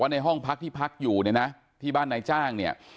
ในห้องพักที่พักอยู่เนี่ยนะที่บ้านนายจ้างเนี่ย